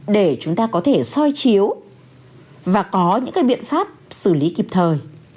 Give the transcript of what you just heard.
để chúng ta có thể soi chiếu và có những cái biện pháp xử lý kịp thời